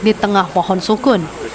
di tengah pohon sukun